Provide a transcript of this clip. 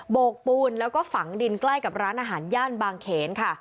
โกกปูนแล้วก็ฝังดินใกล้กับร้านอาหารย่านบางเขนค่ะ